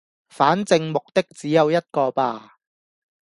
反正目的只有一個吧